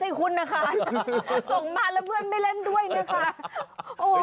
ถ้าส่งมาแล้วเพื่อนไปเล่นด้วย